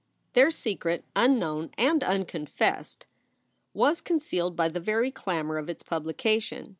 Their secret, unknown and unconfessed, was concealed by the very clamor of its publication.